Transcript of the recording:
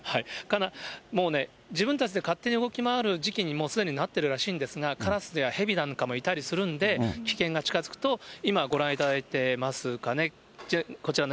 もうね、自分たちで勝手に動き回る時期にもうすでになってるそうなんですが、カラスやヘビなんかもいたりするんで、危険リセッシュータイム！